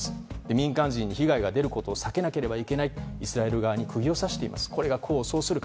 民間人に被害が出ることを避けなければいけないとイスラエル側に釘を刺しています。